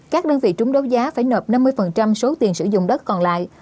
các đơn vị trúng đấu giá phải nợ năm mươi số tiền sử dụng đất còn lại